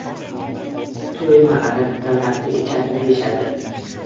To‘y-ma’rakalarda ichadi, deyishadi.